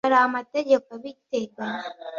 hari amategeko abiteganya .